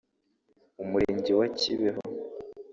umurenge wa Kibeho